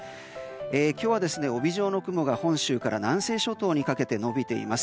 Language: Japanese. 今日は帯状の雲が本州から南西諸島にかけて延びています。